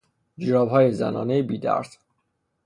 جورابهای زنانهی بیدرز